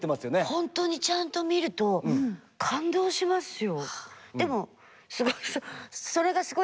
本当にちゃんと見ると感動しますよ。